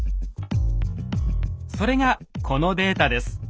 それがこのデータです。